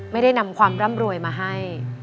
ไม่ได้นำความร่ำรวยมาให้